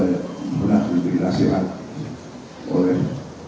kita pernah diberi nasihat oleh